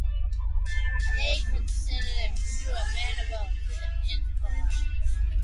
They considered him too amenable to the Pentagon.